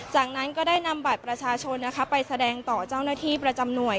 จากนั้นก็ได้นำบัตรประชาชนไปแสดงต่อเจ้าหน้าที่ประจำหน่วย